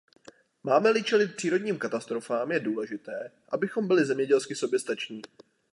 Máme-li čelit přírodním katastrofám, je důležité, abychom byli zemědělsky soběstační.